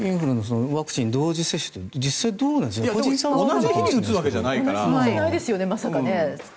コロナとインフルエンザのワクチン同時接種って同じ日に打つわけじゃないから。